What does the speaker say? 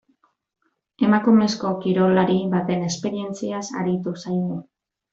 Emakumezko kirolari baten esperientziaz aritu zaigu.